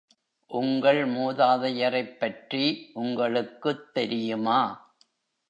உங்கள் மூதாதையரைப் பற்றி உங்களுக்குத் தெரியுமா?